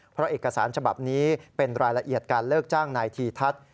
เพราะเอกสารฉบับนี้เป็นรายละเอียดการเลิกจ้างนายทีทัศน์